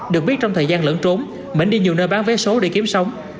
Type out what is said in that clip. được biết trong thời gian lẫn trốn mỹ đi nhiều nơi bán vé số để kiếm sống